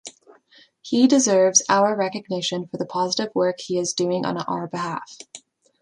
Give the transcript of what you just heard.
He deserves our recognition for the positive work he is doing on our behalf.